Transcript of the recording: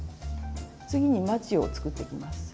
次にまちを作っていきます。